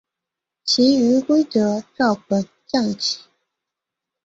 其余规则照本将棋。